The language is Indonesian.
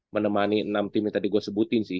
menemani enam tim yang tadi gue sebutin sih